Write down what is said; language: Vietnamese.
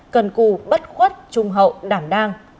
cần cù bất khuất trung hậu đảm đang